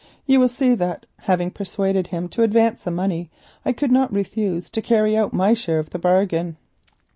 You will see that having persuaded him to advance the money I could not refuse to carry out my share of the bargain."